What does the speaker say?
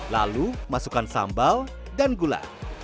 lalu masukkan sambal dan gula